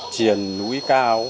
triền núi cao